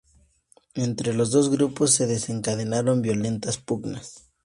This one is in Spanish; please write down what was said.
Entre los dos grupos se desencadenaron violentas pugnas.